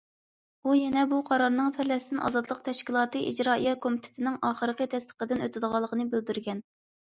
ئۇ يەنە بۇ قارارنىڭ پەلەستىن ئازادلىق تەشكىلاتى ئىجرائىيە كومىتېتىنىڭ ئاخىرقى تەستىقىدىن ئۆتىدىغانلىقىنى بىلدۈرگەن.